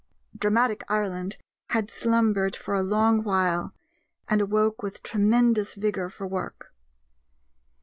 Dramatic Ireland had slumbered for a long while, and awoke with tremendous vigor for work.